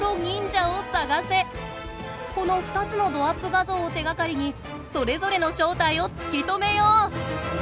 この２つのどアップ画像を手がかりにそれぞれの正体を突き止めよう！